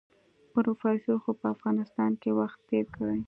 پروفيسر خو په افغانستان کې وخت تېر کړی.